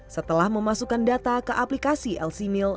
setelah memasukkan data ke aplikasi lc mil